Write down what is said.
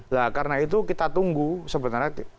nah karena itu kita tunggu sebenarnya